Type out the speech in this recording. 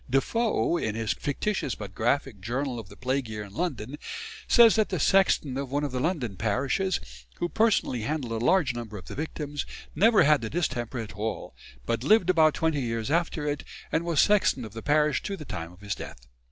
Defoe, in his fictitious but graphic "Journal of the Plague Year in London," says that the sexton of one of the London parishes, who personally handled a large number of the victims, never had the distemper at all, but lived about twenty years after it, and was sexton of the parish to the time of his death.